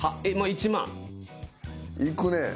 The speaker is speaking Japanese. いくね。